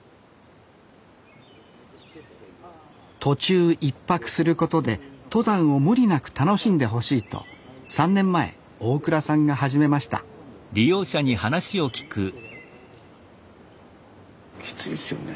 途中１泊することで登山を無理なく楽しんでほしいと３年前大蔵さんが始めましたきついですよね。